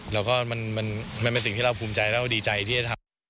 แล้วก็มันเป็นสิ่งที่เราภูมิใจแล้วเราดีใจที่จะทำ